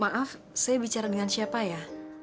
maaf saya bicara dengan siapa ya